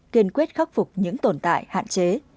kiên quyết khắc phục những tồn tại hạn chế